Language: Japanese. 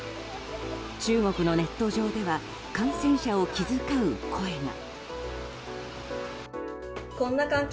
中国のネット上では感染者を気遣う声が。